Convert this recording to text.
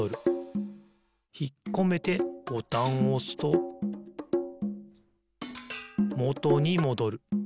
ひっこめてボタンをおすともとにもどる。